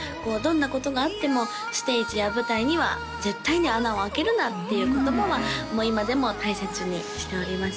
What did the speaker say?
どんなことがあってもステージや舞台には絶対に穴をあけるなっていう言葉は今でも大切にしております